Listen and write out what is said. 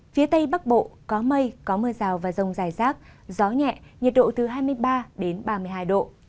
phía tây bắc bộ có mây có mưa rào và rông dài rác gió nhẹ nhiệt độ từ hai mươi ba đến ba mươi hai độ